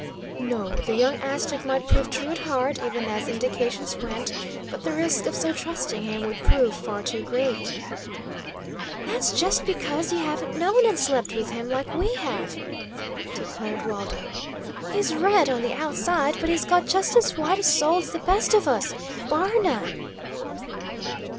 No; the young Aztec might prove true at heart, even as indications went, but the risk of so trusting him would prove far too great. "That's just because you haven't known and slept with him, like we have," declared Waldo. "He's red on the outside, but he's got just as white a soul as the best of us, bar none."